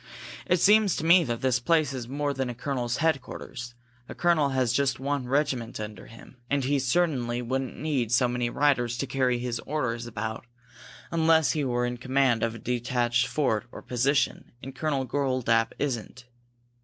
"It seems to me that this place is more than a colonel's headquarters. A colonel has just one regiment under him, and he certainly wouldn't need so many riders to carry his orders about unless he were in command of a detached fort or position, and Colonel Goldapp isn't.